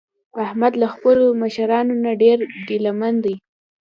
احمد له خپلو مشرانو نه ډېر ګله من دی.